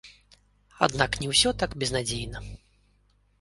Аднак не ўсё так безнадзейна.